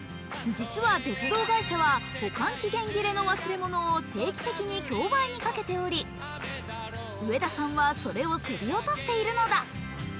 実は鉄道会社は保管切れの忘れ物を定期的に競売にかけており、上田さんはそれを競り下ろしているのだ。